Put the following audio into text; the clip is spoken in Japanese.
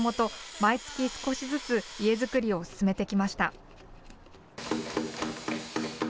毎月、少しずつ家づくりを進めてきました。